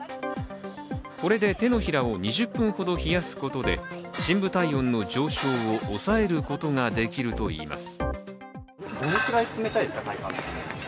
これで手のひらを２０分ほど冷やすことで深部体温の上昇を抑えることができるといいます。